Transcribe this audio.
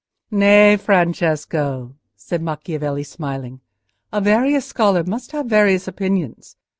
"Nay, Francesco," said Macchiavelli, smiling, "a various scholar must have various opinions.